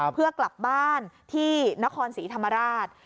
เพื่อกลับบ้านที่นครศรีธรรมราช